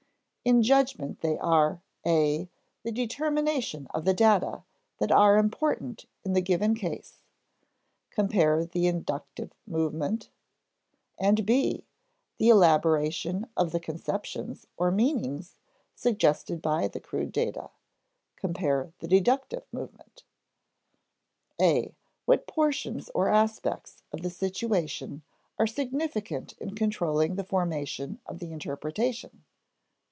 In judgment they are (a) the determination of the data that are important in the given case (compare the inductive movement); and (b) the elaboration of the conceptions or meanings suggested by the crude data (compare the deductive movement). (a) What portions or aspects of the situation are significant in controlling the formation of the interpretation?